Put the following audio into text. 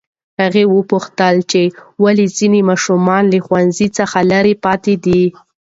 هغه وپوښتل چې ولې ځینې ماشومان له ښوونځي څخه لرې پاتې دي.